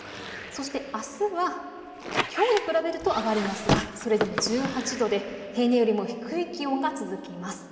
そしてあすはきょうに比べると上がりますがそれでも１８度で平年よりも低い気温が続きます。